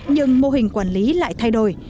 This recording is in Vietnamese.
nhưng mô hình quản lý lại thay đổi